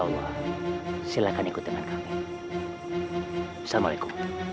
mereka keluarga aku